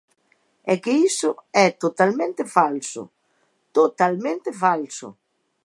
É que iso é totalmente falso, totalmente falso.